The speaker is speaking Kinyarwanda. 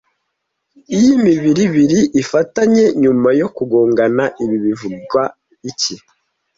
Iyo imibiri ibiri ifatanye nyuma yo kugongana, ibi bivugwa iki